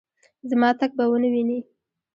زما تګ به ونه وینې